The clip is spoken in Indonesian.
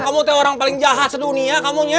kamu teh orang paling jahat sedunia kamu nye